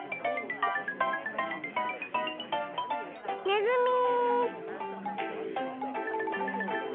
ねずみ。